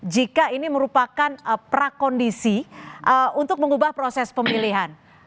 jika ini merupakan prakondisi untuk mengubah proses pemilihan